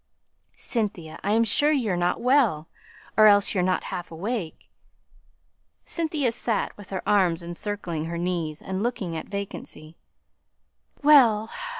"Cynthia, I am sure you're not well, or else you're not half awake." Cynthia sate with her arms encircling her knees, and looking at vacancy. "Well!"